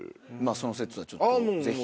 その節はちょっとぜひ。